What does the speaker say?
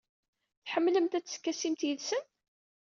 Tḥemmlemt ad teskasimt yid-sen?